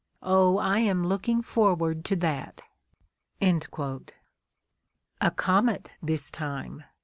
Oh! I am looking forward to that." A comet, this time